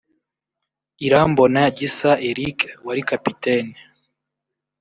Irambona Gisa Eric wari kapiteni